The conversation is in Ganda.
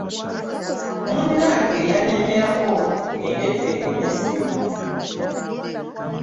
Munnange yanemerako tugnde twegemese .